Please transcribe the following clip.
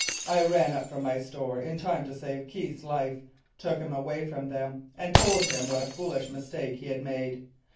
I ran up from my store in time to save Keith's life, took him away from them, and told him what a foolish mistake he had made.